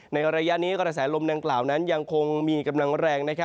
ในระยะนี้กระแสลมดังกล่าวนั้นยังคงมีกำลังแรง